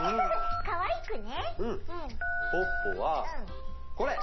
ポッポはこれ！